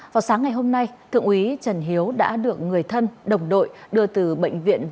vào sáng ngày hôm nay thượng úy trần hiếu đã được người thân đồng đội đưa từ bệnh viện